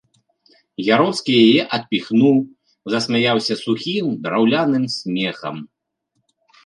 Яроцкі яе адпіхнуў, засмяяўся сухім, драўляным смехам.